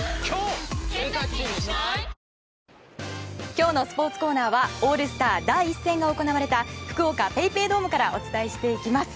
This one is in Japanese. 今日のスポーツコーナーはオールスター第１戦が行われた福岡ＰａｙＰａｙドームからお伝えしていきます。